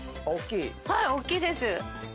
はいおっきいです。